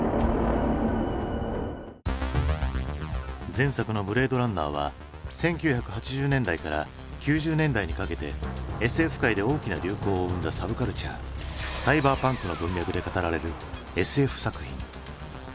前作の「ブレードランナー」は１９８０年代から９０年代にかけてＳＦ界で大きな流行を生んだサブカルチャー「サイバーパンク」の文脈で語られるＳＦ作品。